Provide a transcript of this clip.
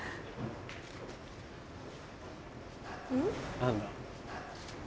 何だ？